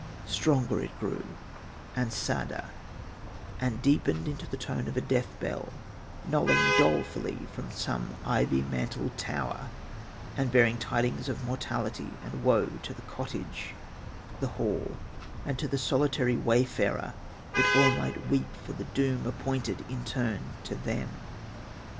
Stronger it grew, and sadder, and deepened into the tone of a death bell, knolling dolefully from some ivy mantled tower, and bearing tidings of mortality and woe to the cottage, to the hall and to the solitary wayfarer that all might weep for the doom appointed in turn to them.